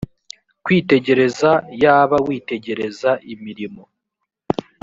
kwitegereza yb witegereze imirimo